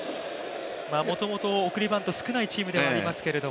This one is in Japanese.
もともと送りバント少ないチームではありますけど。